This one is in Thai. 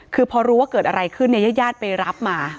คือพอรู้ว่าเกิดอะไรขึ้นเนี่ยญาติไปรับมา